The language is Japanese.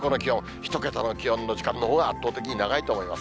１桁の気温の時間のほうが圧倒的に長いと思います。